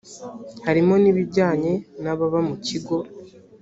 harimo n’ibijyanye n’ababa mu kigo